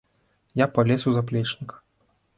Я палез у заплечнік.